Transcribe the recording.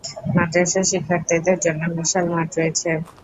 মাদ্রাসার শিক্ষার্থীদের জন্য বিশাল খেলার মাঠ রয়েছে।